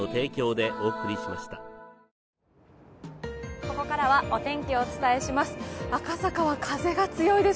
ここからはお天気をお伝えします。